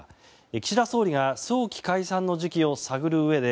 岸田総理が早期解散の時期を探るうえで